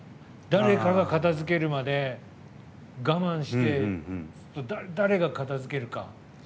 誰かが片づけるまで我慢して、誰が片づけるか。